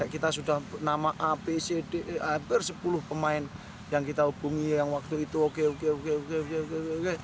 kita sudah nama apcd hampir sepuluh pemain yang kita hubungi yang waktu itu oke oke oke